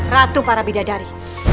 ratu para bidadari